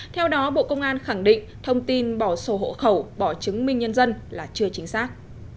theo đó bộ công an khẳng định thông tin bỏ sổ hộ khẩu bỏ chứng minh nhân dân là chưa chính xác